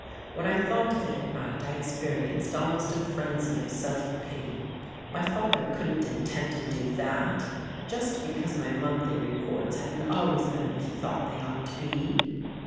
When I thought of it at night I experienced almost a frenzy of self pity. My father couldn't intend to do that, just because my monthly reports hadn't always been what he thought they ought to be!